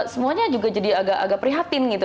semuanya juga jadi agak agak prihatin gitu